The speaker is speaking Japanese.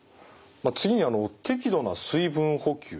次にあの適度な水分補給。